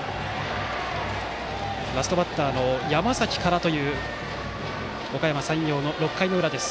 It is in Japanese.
ラストバッターの山崎からという６回の裏です。